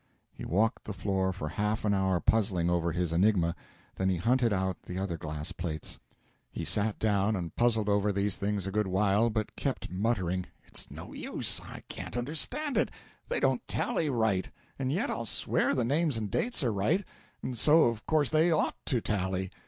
He walked the floor for half an hour puzzling over his enigma, then he hunted out two other glass plates. He sat down and puzzled over these things a good while, but kept muttering, "It's no use; I can't understand it. They don't tally right, and yet I'll swear the names and dates are right, and so of course they ought to tally.